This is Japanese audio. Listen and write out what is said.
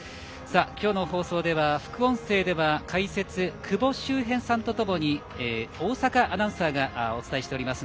今日の放送では、副音声では解説の久保修平さんとともに大坂アナウンサーがお伝えしておりますが。